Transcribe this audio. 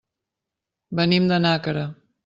Venim de Nàquera.